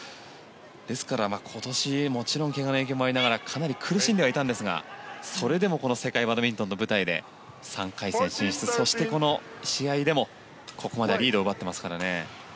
ですから、今年もちろんけがの影響もありながらかなり苦しんではいたんですがそれでもこの世界バドミントンの舞台で３回戦進出そして、この試合でもここまでリードを奪っていますからね。